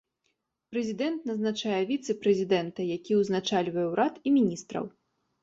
Прэзідэнт назначае віцэ-прэзідэнта, які ўзначальвае ўрад, і міністраў.